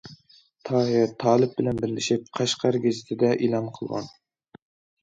تاھىر تالىپ بىلەن بىرلىشىپ« قەشقەر گېزىتى» دە ئېلان قىلغان.